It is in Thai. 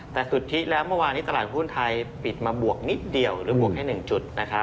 แต่สุทธิแล้วเมื่อวานนี้ตลาดหุ้นไทยปิดมาบวกนิดเดียวหรือบวกแค่๑จุด